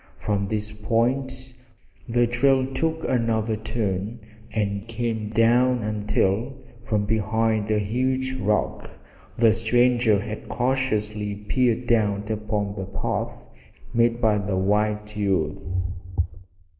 From this point the trail took another turn and came down until, from behind a huge rock, the stranger had cautiously peered out upon the path made by the white youth.